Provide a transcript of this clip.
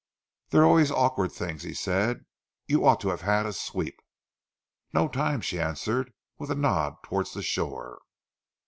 "They're always awkward things," he said. "You ought to have had a sweep." "No time," she answered, with a nod towards the shore.